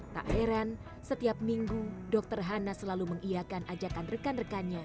tak heran setiap minggu dokter hana selalu mengiakan ajakan rekan rekannya